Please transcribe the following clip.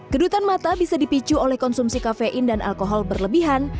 kedutan mata bisa dipicu oleh konsumsi kafein dan alkohol berlebihan